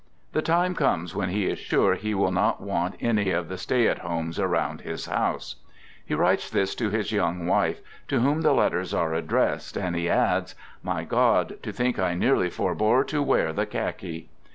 The time comes when he is sure he will not want any of the stay at homes around his house! He writes this to his young wife, to whom the letters are addressed, and he adds :" My God, to think I nearly forebore to wear the khaki